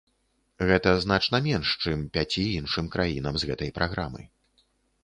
Гэта значна менш, чым пяці іншым краінам з гэтай праграмы.